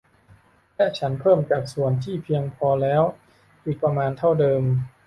และฉันเพิ่มจากส่วนที่เพียงพอแล้วอีกประมาณเท่าเดิม